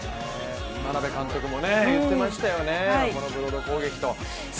眞鍋監督も言ってましたよね、このブロード攻撃と。